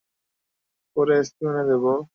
আমি পরে আইসক্রিম এনে দেব।